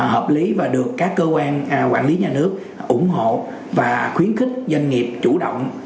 hợp lý và được các cơ quan quản lý nhà nước ủng hộ và khuyến khích doanh nghiệp chủ động